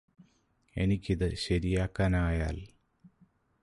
എനിക്കിത് ശരിയാക്കാനായാല്